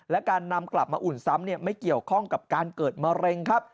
และการนำกลับมาอุ่นซ้ำไม่เกี่ยวข้องกับการเกิดมะเร็งครับ